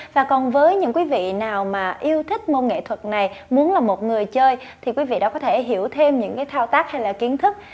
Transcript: và còn với những quý vị nào mà yêu thích môn nghệ thuật này muốn là một người chơi thì quý vị đã có thể hiểu thêm những cái thao tác hay là kiến thức